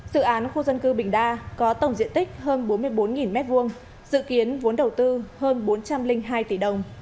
dự án khu dân cư bình đa có tổng diện tích hơn bốn mươi bốn m hai dự kiến vốn đầu tư hơn bốn trăm linh hai tỷ đồng